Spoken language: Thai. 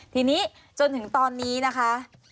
ทีนี้จนถึงตอนนี้นะคะ